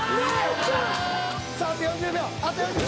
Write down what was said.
さああと４０秒。